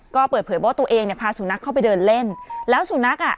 ก็เปิดเผยว่าตัวเองเนี่ยพาสุนัขเข้าไปเดินเล่นแล้วสุนัขอ่ะ